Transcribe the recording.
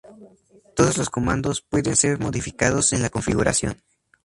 Todos los comandos pueden ser modificados en la configuración.